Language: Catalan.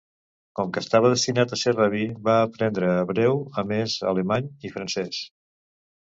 Com que estava destinat a ser rabí, va aprendre hebreu, a més d'alemany i francès.